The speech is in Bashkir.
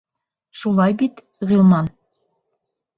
Шулай бит, Ғилман?